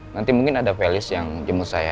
nanti mungkin ada velis yang jemput saya